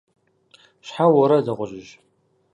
- Щхьэ угърэ, дыгъужьыжь?